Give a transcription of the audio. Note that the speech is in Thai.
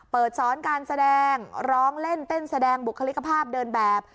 สอนการแสดงร้องเล่นเต้นแสดงบุคลิกภาพเดินแบบ